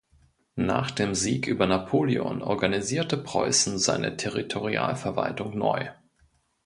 Nach dem Sieg über Napoleon organisierte Preußen seine Territorialverwaltung neu.